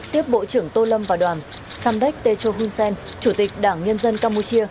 tiếp bộ trưởng tô lâm và đoàn samdek techo hunsen chủ tịch đảng nhân dân campuchia